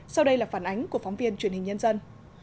sau đây là phản ánh của phóng viên truyền hình nhân dân